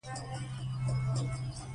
نور هېڅ هم نه اورېدل کېدل.